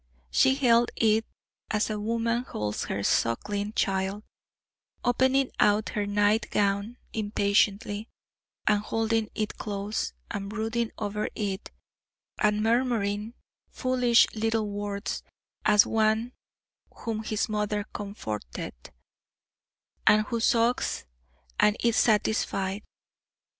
She held it as a woman holds her suckling child; opening out her nightgown impatiently, and holding it close, and brooding over it, and murmuring foolish little words, as one whom his mother comforteth, and who sucks and is satisfied.